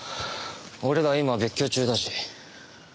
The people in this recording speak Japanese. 俺ら今別居中だし。